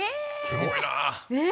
すごいな。ね！